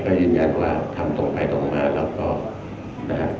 ก็ยืนยันว่าทำตรงไปตรงมาแล้วก็นะฮะ